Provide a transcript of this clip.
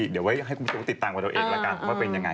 เดี๋ยวไว้ให้คุณผู้ชมติดตามกับเราเองละกันว่าเป็นยังไง